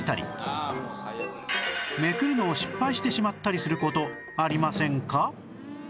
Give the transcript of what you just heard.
めくるのを失敗してしまったりする事ありませんか？